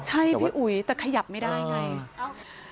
ใช่พี่อุ๋ยแต่ขยับไม่ได้ไง